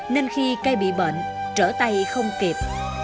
nên khi cây bị bệnh trở tay không kịp